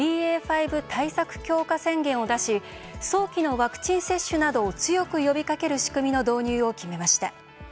５対策強化宣言を出し早期のワクチン接種などを強く呼びかける仕組みの導入を決めました。